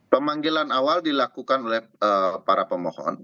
pemanggilan awal dilakukan oleh para pemohon